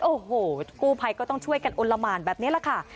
โอ้โหกู้ภัยก็ต้องช่วยกันอลละหมานแบบนี้แหละค่ะ